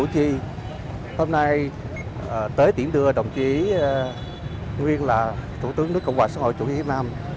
hôm nay tới tiễn đưa đồng chí nguyên là thủ tướng nước cộng hòa xã hội chủ nghĩa việt nam